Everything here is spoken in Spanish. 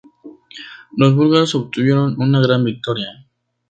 Los búlgaros obtuvieron una gran victoria.